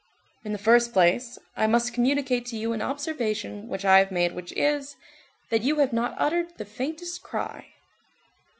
In the first place, I must communicate to you an observation which I have made which is, that you have not uttered the faintest cry."